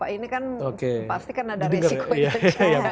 ini kan pasti kan ada resiko itu